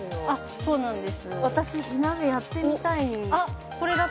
そうなんです